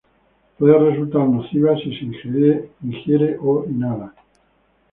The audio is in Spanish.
Puede resultar nociva si se ingiere o inhala.